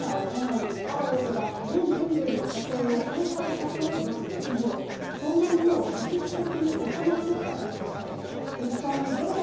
そのような行い、あわよくば全人類の家庭を崩壊させようとする事業、そんなものを組織的に行ってきたからでしょう。